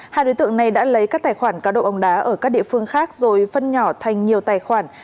hai đối tượng này đã lấy các tài khoản cá độ bóng đá ở các địa phương khác rồi phân nhỏ thành nhiều tài khoản